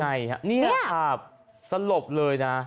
มายังไงนี่แหละค่ะสลบเลยนะ